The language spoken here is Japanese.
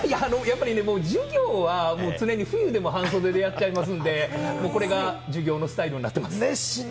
授業は常に冬でも半袖でやってますんで、これが自分のスタイルになっております。